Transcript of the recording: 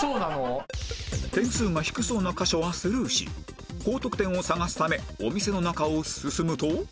点数が低そうな箇所はスルーし高得点を探すためお店の中を進むと